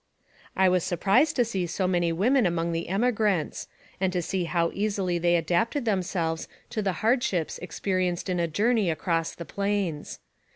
I was surprised to see so many women among the emigrants, and to see how easily they adapted them selves to the hardships experienced in a journey across the plains.